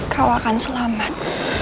kau akan selamat